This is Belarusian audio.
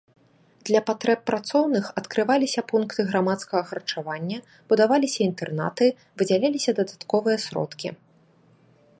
Для патрэб працоўных адкрываліся пункты грамадскага харчавання, будаваліся інтэрнаты, выдзяляліся дадатковыя сродкі.